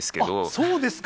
そうですか。